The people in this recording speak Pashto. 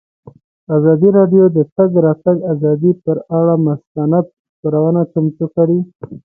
ازادي راډیو د د تګ راتګ ازادي پر اړه مستند خپرونه چمتو کړې.